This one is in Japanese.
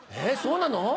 えそうなの？